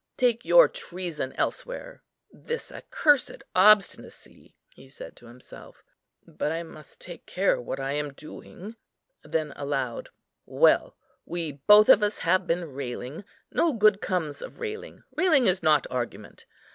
Take your treason elsewhere.... This accursed obstinacy!" he said to himself; "but I must take care what I am doing;" then aloud, "Well, we both of us have been railing; no good comes of railing; railing is not argument.